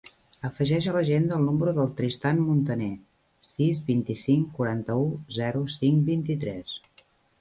Afegeix a l'agenda el número del Tristan Montaner: sis, vint-i-cinc, quaranta-u, zero, cinc, vint-i-tres.